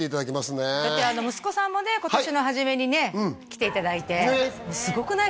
ねだって息子さんもね今年の初めにね来ていただいてすごくない？